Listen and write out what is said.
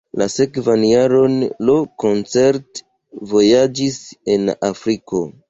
La sekvan jaron Lo koncert-vojaĝis en Afriko.